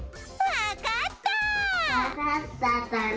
わかったかな？